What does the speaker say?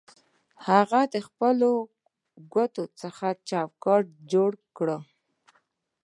هغه د خپلو ګوتو څخه چوکاټ جوړ کړ